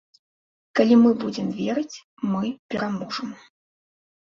Калі мы будзем верыць, мы пераможам.